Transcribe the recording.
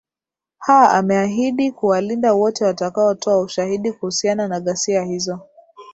ha ameahidi kuwalinda wote watakao toa ushahidi kuhusiana na ghasia hizo